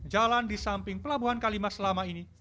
jalan di samping pelabuhan kalimas selama ini